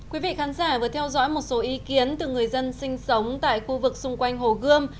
quý vị khán giả vừa theo dõi một số ý kiến từ người dân sinh sống tại khu vực xung quanh hồ gươm